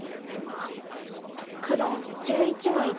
黒１１の一。